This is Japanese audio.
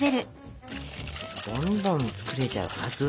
どんどん作れちゃうはず。